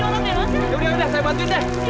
mas tolong bantu ya